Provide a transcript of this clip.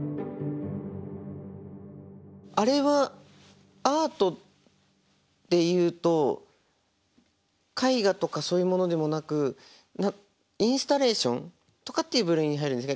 あれはアートっていうと絵画とかそういうものでもなくインスタレーションとかっていう部類に入るんですか？